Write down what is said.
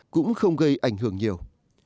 cũng không gây ảnh hưởng nhiều